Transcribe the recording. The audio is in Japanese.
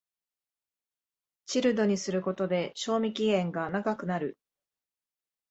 チルドにすることで賞味期限が長くなる